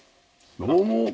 どうも。